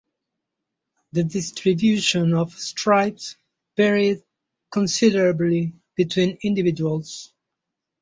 The distribution of stripes varied considerably between individuals.